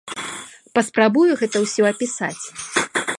Паспрабую гэта ўсё апісаць.